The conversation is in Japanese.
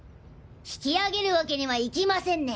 引き上げる訳にはいきませんね。